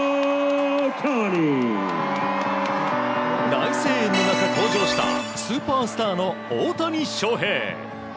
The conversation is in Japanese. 大声援の中、登場したスーパースターの大谷翔平。